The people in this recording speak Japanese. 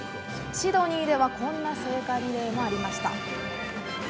シドニーではこんな聖火リレーもありました。